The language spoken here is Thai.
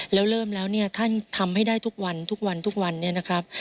แล้วเริ่มแล้วเนี่ยท่านทำให้ได้ทุกวันทุกวันทุกวันเนี่ยนะครับ